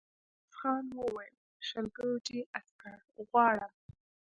ميرويس خان وويل: شل ګرجي عسکر غواړم.